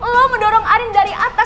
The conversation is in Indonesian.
oh mendorong arin dari atas